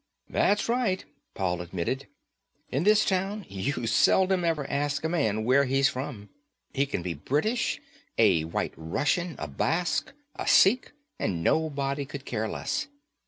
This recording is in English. "That's right," Paul admitted. "In this town you seldom even ask a man where's he's from. He can be British, a White Russian, a Basque or a Sikh and nobody could care less.